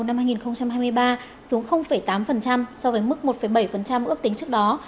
năm hai nghìn hai mươi ba xuống tám so với mức một bảy ước tính trước đó